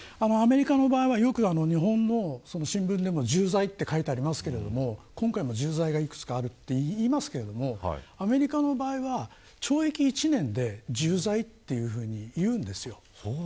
アメリカの場合は、よく日本の新聞でもよく重罪と書いてありますけど今回も重罪がいくつかあるといいますがアメリカの場合は、懲役１年で重罪というふうに言うんです。